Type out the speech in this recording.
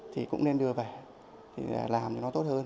thì cũng nên đưa về thì làm cho nó tốt hơn